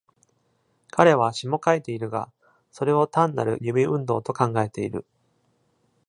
彼は詩も書いているが、それを単なる指運動と考えている。